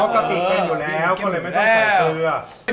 ปกติกินอยู่แล้วก็เลยไม่ต้องใส่เกลือ